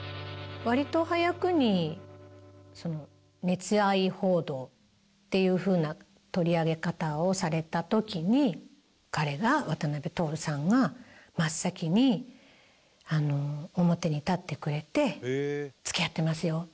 割と早くに熱愛報道っていうふうな取り上げ方をされた時に彼が渡辺徹さんが真っ先に表に立ってくれて「付き合ってますよ」